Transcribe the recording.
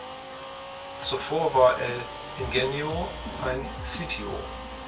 Zuvor war El Ingenio ein Sitio.